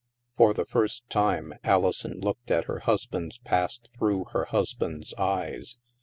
For the first time, Alison looked at her husband's past through her husband's eyes.